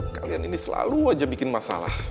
kalian ini selalu aja bikin masalah